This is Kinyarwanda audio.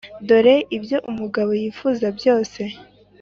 dore ibyo umugabo yifuza byose.